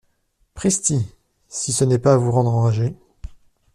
Pristi ! si ce n'est pas à vous rendre enragé !